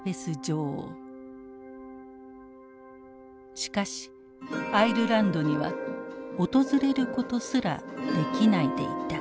しかしアイルランドには訪れることすらできないでいた。